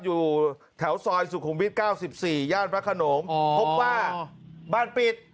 อยู่แถวซอยสุขุมวิท๙๔ย่านพระขนงพบว่าบ้านปิด